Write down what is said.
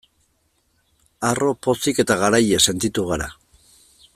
Harro, pozik eta garaile sentitu gara.